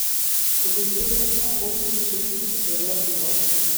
Gobeithio wneith pobl bwysig Twitter wrando.